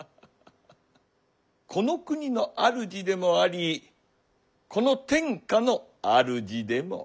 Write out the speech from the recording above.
この国の主でもありこの天下の主でもある。